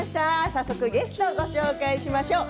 早速、ゲストをご紹介しましょう。